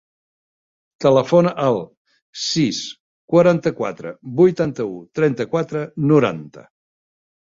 Telefona al sis, quaranta-quatre, vuitanta-u, trenta-quatre, noranta.